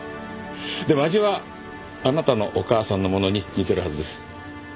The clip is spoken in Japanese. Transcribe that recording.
でも味はあなたのお母さんのものに似てるはずです。